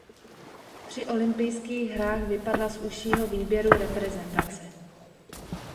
Po olympijských hrách vypadla z užšího výběru reprezentace.